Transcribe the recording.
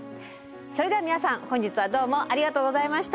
それでは皆さん本日はどうもありがとうございました。